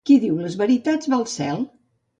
Qui diu les veritats, va al cel.